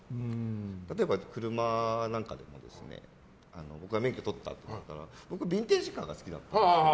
例えば、車なんかでも僕が免許取ったらビンテージカーが好きだったんですよ。